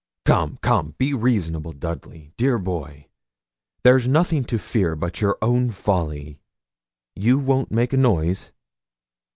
'Come, come, be reasonable, Dudley, dear boy. There's nothing to fear but your own folly. You won't make a noise?'